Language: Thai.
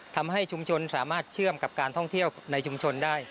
ทำให้ชุมชนสามารถเชื่อมกับการท่องเที่ยวในชุมชนได้